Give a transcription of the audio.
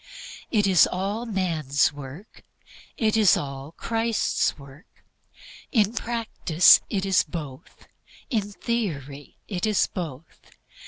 It is all man's work. It is all Christ's work. In practice it is both; in theory it is both.